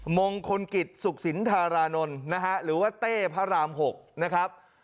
มงคลกิจทรุกศิลป์ธารานนหรือว่าเต้พระรามหกนะครับ